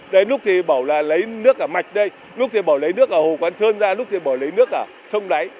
đến lúc thì bảo là lấy nước ở mạch đây lúc thì bảo lấy nước ở hồ quán sơn ra lúc thì bảo lấy nước ở sông đáy